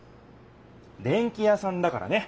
電器屋さんだからね！